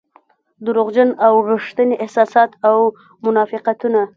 دروغجن او رښتيني احساسات او منافقتونه.